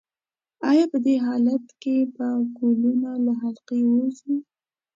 ایا په دې حالت کې به ګلوله له حلقې ووځي؟